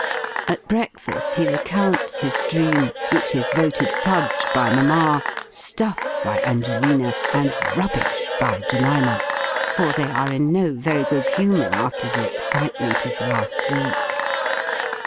At breakfast he recounts his dream which is voted fudge by Mamma, stuff by Angelina, and rubbish by Jemima; for they are in no very good humour after the excitement of last week.